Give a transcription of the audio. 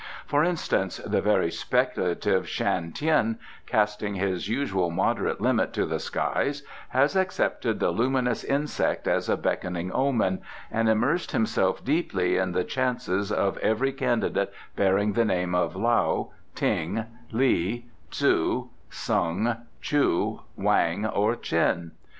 For instance, the very speculative Shan Tien, casting his usual moderate limit to the skies, has accepted the Luminous Insect as a beckoning omen, and immersed himself deeply in the chances of every candidate bearing the name of Lao, Ting, Li, Tzu, Sung, Chu, Wang or Chin.